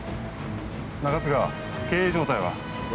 中津川、経営状態は。